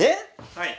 はい。